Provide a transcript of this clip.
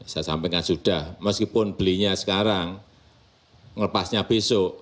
saya sampaikan sudah meskipun belinya sekarang melepasnya besok